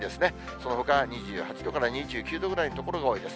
そのほかは２８度から２９度ぐらいの所が多いです。